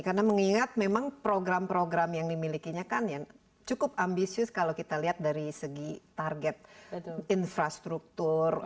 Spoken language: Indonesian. karena mengingat memang program program yang dimilikinya kan cukup ambisius kalau kita lihat dari segi target infrastruktur